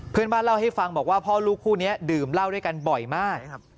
เพื่อนบ้านเล่าให้ฟังบอกว่าพ่อลูกคู่นี้ดื่มเหล้าด้วยกันบ่อยมาก